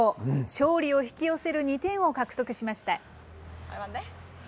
勝利を引き寄せる２点を獲得しました。